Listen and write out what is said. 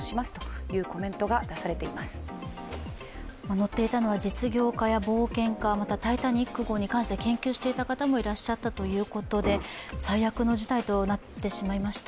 乗っていたのは実業家や冒険家、「タイタニック」号に関して研究していた方もいらっしゃったということで最悪の事態となってしまいました。